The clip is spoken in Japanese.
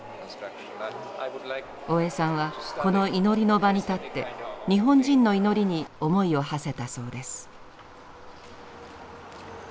大江さんはこの祈りの場に立って日本人の祈りに思いをはせたそうです。